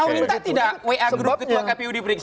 oh minta tidak wa group ketua kpu diperiksa